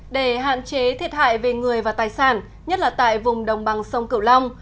để hạn chế thiệt hại về người và tài sản nhất là tại vùng đồng bằng sông cửu long